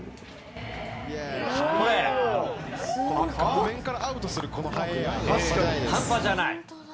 画面からアウトするこのハイエア、半端じゃない。